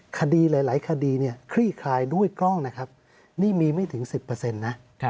คดีหลายคดีเนี่ยคลี่คลายด้วยกล้องนะครับนี่มีไม่ถึง๑๐นะ